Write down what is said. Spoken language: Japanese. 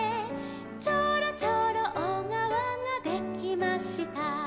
「ちょろちょろおがわができました」